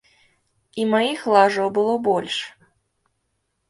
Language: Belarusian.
І маіх лажаў было больш.